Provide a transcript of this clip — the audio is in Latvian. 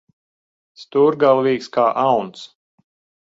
Stūrgalvīgs kā auns.